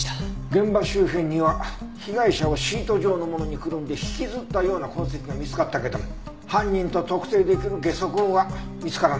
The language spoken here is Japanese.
現場周辺には被害者をシート状のものにくるんで引きずったような痕跡が見つかったけど犯人と特定できるゲソ痕は見つからなかったよ。